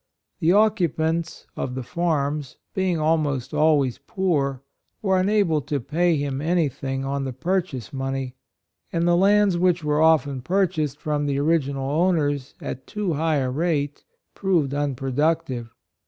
The oc cupants of the farms, being almost always poor, were unable to j^ay him any thing on the purchase money ; and the lands which were 78 HIS DEBTS often purchased from the original owners at too high a rate proved unproductive.